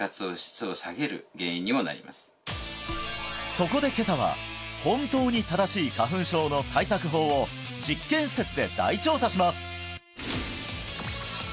そこで今朝は本当に正しい花粉症の対策法を実験施設で大調査します